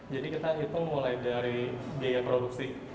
jadi kita hitung mulai dari biaya produksi